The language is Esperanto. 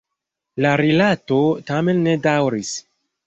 La rilato tamen ne daŭris.